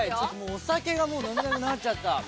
お酒が飲みたくなっちゃった。